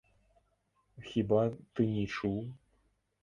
Хіба ты не чуў?